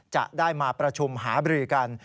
จะได้มาประชุมหาบรือกัน